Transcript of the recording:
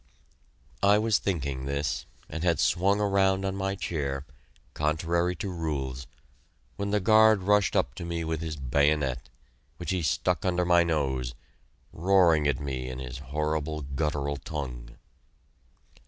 I was thinking this, and had swung around on my chair, contrary to rules, when the guard rushed up to me with his bayonet, which he stuck under my nose, roaring at me in his horrible guttural tongue.